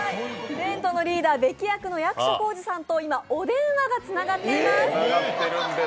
テントのリーダー、ベキ役の役所広司さんと今、お電話がつながっています。